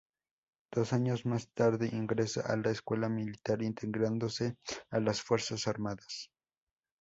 Dos años más tarde ingresa a la Escuela Militar, integrándose a las fuerzas armadas.